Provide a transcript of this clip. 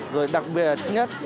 rồi đặc biệt nhất